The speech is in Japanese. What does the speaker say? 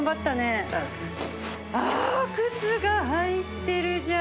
あぁ靴が入ってるじゃん。